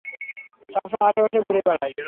সবসময় আশেপাশে ঘুরে বেড়ায়।